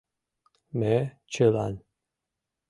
— Ме чылан!